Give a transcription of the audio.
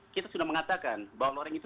kita sudah mengatakan bahwa loreng itu